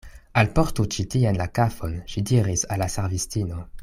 Alportu ĉi tien la kafon, ŝi diris al la servistino.